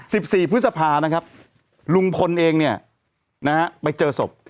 สิบสี่พฤษภานะครับลุงพลเองเนี่ยนะฮะไปเจอศพ